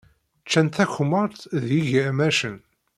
Ččant takemmart ed yigermacen.